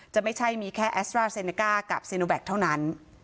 ไม่ใช่มีแค่แอสตราเซเนก้ากับซีโนแกคเท่านั้น